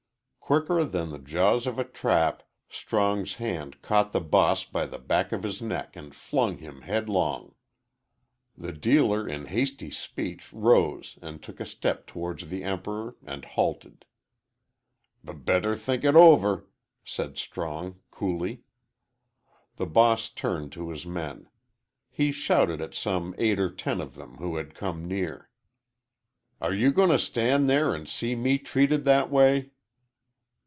Quicker than the jaws of a trap Strong's hand caught the boss by the back of his neck and flung him headlong. The dealer in hasty speech rose and took a step towards the Emperor and halted. "B better think it over," said Strong, coolly. The boss turned to his men. He shouted at some eight or ten of them who had come near, "Are you going to stand there and see me treated that way."